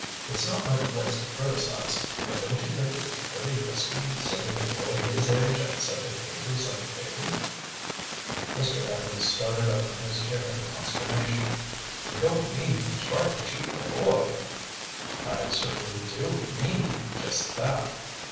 It's not my place to criticize, but don't you think it was pretty risky, sending a boy his age on such a dangerous undertaking?" Mr. Evans started up from his chair in consternation. "You don't mean they tried to shoot the boy!" "I certainly do mean just that."